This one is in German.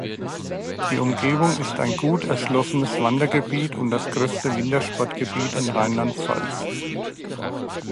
Die Umgebung ist ein gut erschlossenes Wandergebiet und das größte Wintersportgebiet in Rheinland-Pfalz.